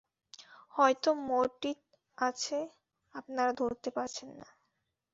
হয়তো মোটিত আছে, আপনারা ধরতে পারছেন।